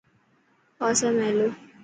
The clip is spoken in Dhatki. پاسي ۾ هلو.